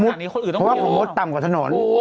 เพราะว่าผงมุดต่ำกว่าถนน